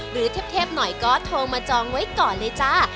หรือเทพหน่อยก็โทรมาจองไว้ก่อนเลยจ้า